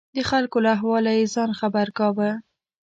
د خلکو له احواله یې ځان خبر کاوه.